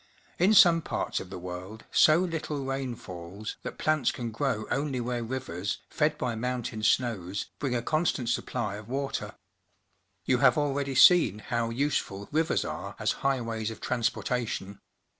In some parts of the world so httle rain falls that plants can grow only where rivers, fed by movmtain snows, bring a constant supply of water. The Lachine Rapids, near Montreal You have already seen how useful rivers are as highwaj's of transportation.